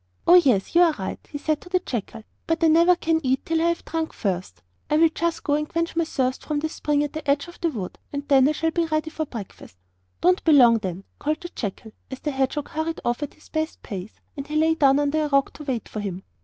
'Oh! yes, you are right,' he said to the jackal; 'but I never can eat till I have first drunk. I will just go and quench my thirst from that spring at the edge of the wood, and then I shall be ready for breakfast.' 'Don't be long, then,' called the jackal, as the hedgehog hurried off at his best pace. And he lay down under a rock to wait for him.